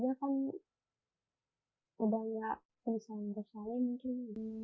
udah nggak bisa bersalah mungkin